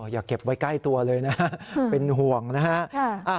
อย่าเก็บไว้ใกล้ตัวเลยนะเป็นห่วงนะฮะ